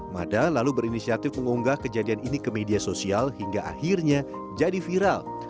mada lalu berinisiatif mengunggah kejadian ini ke media sosial hingga akhirnya jadi viral